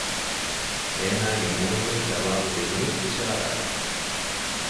އޭނާގެ މޫނުން ޖަވާބު ދިނީ އިޝާރާތަކުން